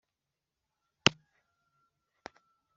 iravumba nku muvumbyi wikirenga